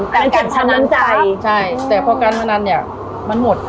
อ๋อมีการชะมุมใจใช่แต่พอการพนันเนี้ยมันหมด